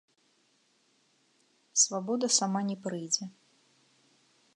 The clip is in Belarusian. Свабода сама не прыйдзе.